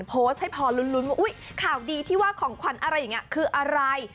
โพสต์ให้พอลุ้นว่าอุ๊ยข่าวดีที่ว่าของขวัญอะไรอย่างนี้คืออะไร